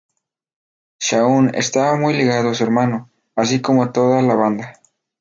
Shaun estaba muy ligado a su hermano, así como toda la banda.